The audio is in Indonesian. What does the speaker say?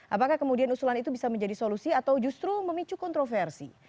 apakah kemudian usulan itu bisa menjadi solusi atau justru memicu kontroversi